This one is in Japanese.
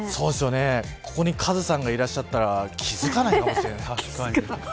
そうですよね、ここにカズさんがいらっしゃったら気付かないかもしれない。